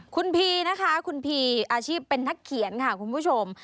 คุณพีนะคะคุณพีอาชีพเป็นนักเขียนค่ะคุณผู้ชม